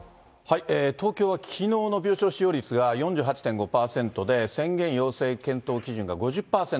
東京はきのうの病床使用率が４８．５％で、宣言要請検討基準が５０％。